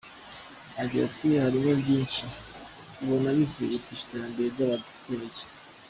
Agira ati “Harimo byinshi tubona bizihutisha iterambere ry’abaturage.